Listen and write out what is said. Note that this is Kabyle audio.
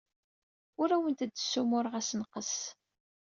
Ur awent-d-ssumureɣ assenqes.